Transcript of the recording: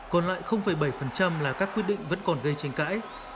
còn lại bảy là các quyết định vẫn còn gây tranh cãi